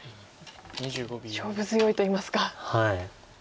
勝負強いといいますか。